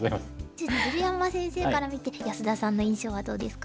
じゃあ鶴山先生から見て安田さんの印象はどうですか？